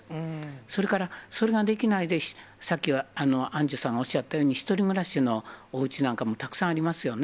それからそれができないでさっきアンジュさんがおっしゃったように、１人暮らしのおうちなんかもたくさんありますよね。